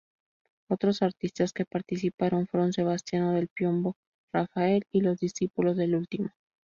Otros artistas que participaron fueron Sebastiano del Piombo, Rafael y los discípulos del último.